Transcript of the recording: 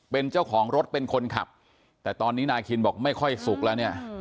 เป็นเจ้าของรถเป็นคนขับแต่ตอนนี้นาคินบอกไม่ค่อยสุกแล้วเนี่ย